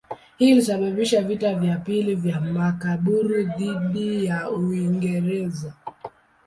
Hii ilisababisha vita vya pili vya Makaburu dhidi ya Uingereza.